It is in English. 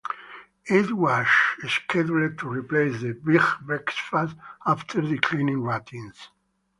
It was scheduled to replace "The Big Breakfast" after declining ratings.